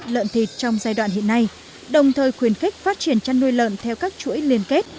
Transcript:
lợn thịt trong giai đoạn hiện nay đồng thời khuyến khích phát triển chăn nuôi lợn theo các chuỗi liên kết